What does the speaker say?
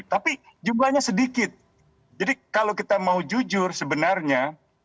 tapi jumlahnya sedikit jadi kalau kita mau jujur sebenarnya